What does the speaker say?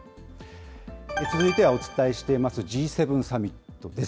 続いてはお伝えしています、Ｇ７サミットです。